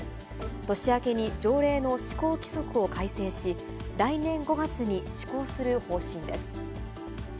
年明けに条例の施行規則を改正し、来年５月に施行する方針です。